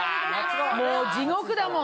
もう地獄だもん。